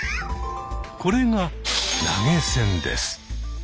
これが「投げ銭」です。